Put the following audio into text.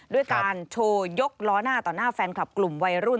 ด้วยการโชว์ยกล้อหน้าต่อหน้าแฟนคลับกลุ่มวัยรุ่น